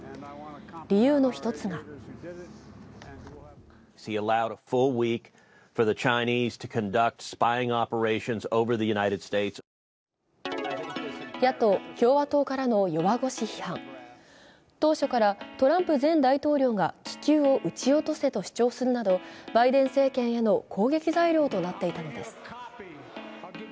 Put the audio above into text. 理由の一つが野党・共和党からの弱腰批判当初からトランプ前大統領が気球を撃ち落とせと主張するなどバイデン政権への攻撃材料となっていたのです。